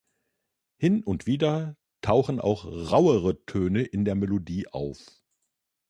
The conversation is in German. Hin und wieder tauchen auch rauere Töne in der Melodie auf.